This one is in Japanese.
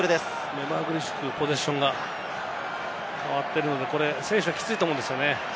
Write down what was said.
めまぐるしくポゼッションが変わっているので選手はきついと思うんですよね。